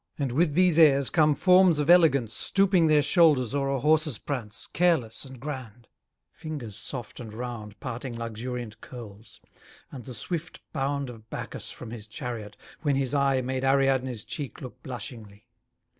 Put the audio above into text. And with these airs come forms of elegance Stooping their shoulders o'er a horse's prance, Careless, and grand fingers soft and round Parting luxuriant curls; and the swift bound Of Bacchus from his chariot, when his eye Made Ariadne's cheek look blushingly.